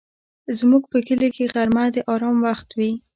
زموږ په کلي کې غرمه د آرام وخت وي